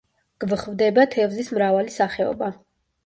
გვხვდება თევზის მრავალი სახეობა.